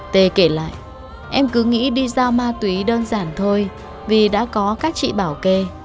tề lại em cứ nghĩ đi giao ma túy đơn giản thôi vì đã có các chị bảo kê